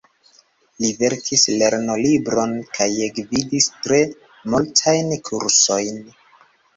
Li verkis lernolibron kaj gvidis tre multajn kursojn.